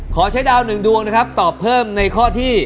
ขอใช้ดาว๑ดวงตอบเพิ่มในข้อที่